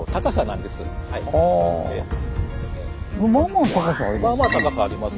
まあまあの高さありますよね。